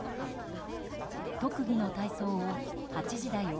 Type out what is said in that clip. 特技の体操を「８時だョ！